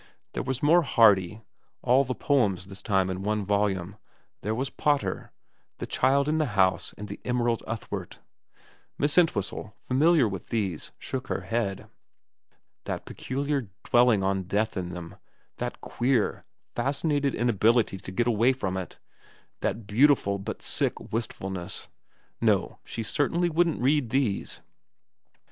... There was more Hardy, all the poems this time in one volume. There was Pater The Child in the House and Emerald Uthwart Miss Entwhistle, familiar with these, shook her head : that peculiar dwelling on death in them, that queer, fascinated inability to get away from it, that beautiful but sick wistfulness no, she certainly wouldn't read these.